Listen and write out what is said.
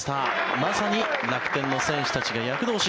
まさに楽天の選手たちが躍動し